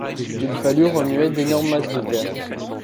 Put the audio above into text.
Il fallut remuer d'énormes masses de terre.